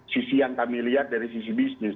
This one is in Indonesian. sisi yang kami lihat dari sisi bisnis